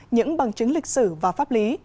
những bằng chứng lịch sử và pháp lý